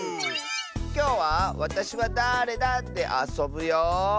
きょうは「わたしはだーれだ？」であそぶよ！